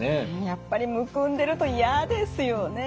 やっぱりむくんでると嫌ですよね。